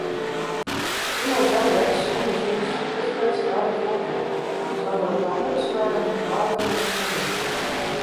Pirmo zvanu veica Somijas ministru prezidents Hari Holkeri, zvanot Tamperes mēram Kārinai Sonio.